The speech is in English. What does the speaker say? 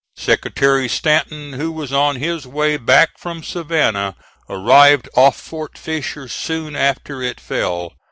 Secretary Stanton, who was on his way back from Savannah, arrived off Fort Fisher soon after it fell.